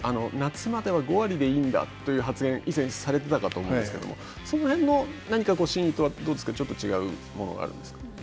夏までは５割でいいんだという発言を以前にされていたかと思うんですがその辺の何か真意とはどうですかちょっと違うものがあるんですか。